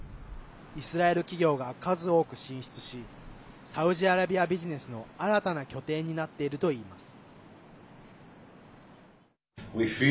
イスラエル企業が数多く進出しサウジアラビアビジネスの新たな拠点になっているといいます。